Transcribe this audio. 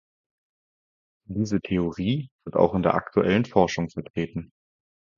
Diese Theorie wird auch in der aktuellen Forschung vertreten.